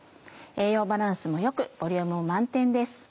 栄養バランスも良くボリュームも満点です。